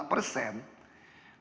disitu lebih jelas talking five percent